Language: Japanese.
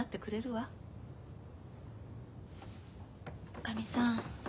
おかみさん